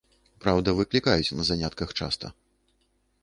Праўда, выклікаюць на занятках часта.